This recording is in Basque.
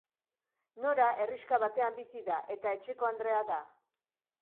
Nora herrixka batean bizi da, eta etxekoandrea da.